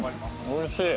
おいしい。